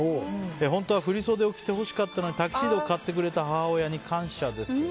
本当は振袖を着てほしかったのにタキシードを買ってくれた母親に感謝ですと。